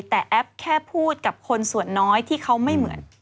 แต่แอปแค่พูดกับคนส่วนน้อยที่เขาไม่เหมือน